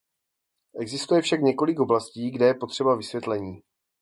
Existuje však několik oblastí, kde je potřeba vysvětlení.